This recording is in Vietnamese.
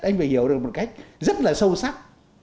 anh phải hiểu được một cách rất là sâu sắc